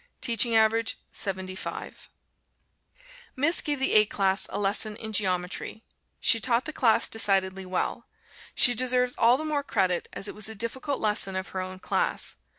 Teaching average 75. Miss gave the A class a lesson in Geometry. She taught the class decidedly well. She deserves all the more credit, as it was a difficult lesson of her own class.